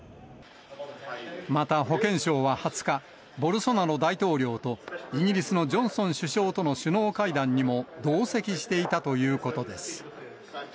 また、保健相は２０日、ボルソナロ大統領とイギリスのジョンソン首相との首脳会談にも同席していたということです。